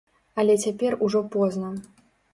Але цяпер ужо позна.